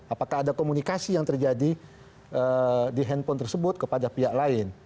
apakah ada komunikasi yang terjadi di handphone tersebut kepada pihak lain